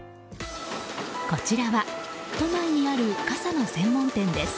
こちらは都内にある傘の専門店です。